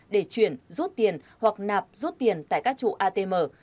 để chuyển rút tiền hoặc nạp rút tiền tại các trụ atm